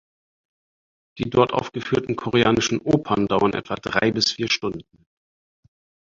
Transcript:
Die dort aufgeführten koreanischen Opern dauern etwa drei bis vier Stunden.